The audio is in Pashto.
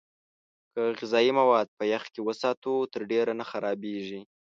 که غذايي مواد په يخ کې وساتو، تر ډېره نه خرابېږي.